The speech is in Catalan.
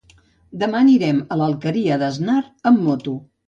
Demà anirem a l'Alqueria d'Asnar amb moto.